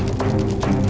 gak mau kali